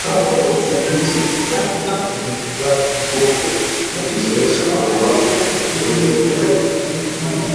sakiti za uridhikaji ubongo hujizoesha kwa viwango vinavyoongezeka